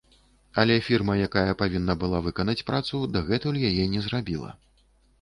Але фірма, якая павінна была выканаць працу, дагэтуль яе не зрабіла.